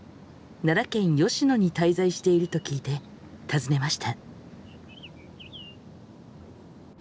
奈良県吉野に滞在していると聞いて訪ねました。